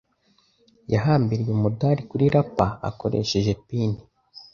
Yahambiriye umudari kuri lapel akoresheje pin.